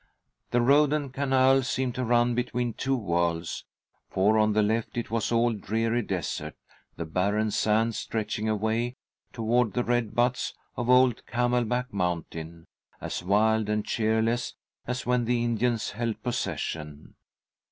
The road and canal seemed to run between two worlds, for on the left it was all a dreary desert, the barren sands stretching away toward the red buttes and old Camelback Mountain, as wild and cheerless as when the Indians held possession.